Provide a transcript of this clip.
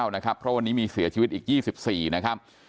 ๔๘๙นะครับเพราะวันนี้มีเสียชีวิตอีก๒๔นะครับ